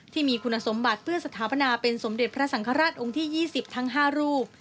ที่มีคุณสมบัติเพื่อสถาปนาเป็นสมเด็จพระสังฆราชองค์ที่๒๐ทั้ง๕รูป